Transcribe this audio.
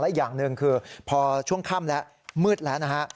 อีกอย่างหนึ่งคือพอช่วงค่ำแล้วมืดแล้วนะฮะ